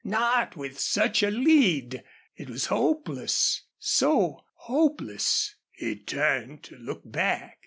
Not with such a lead! It was hopeless so hopeless He turned to look back.